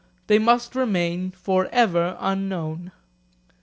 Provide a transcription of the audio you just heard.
They must remain for ever unknown.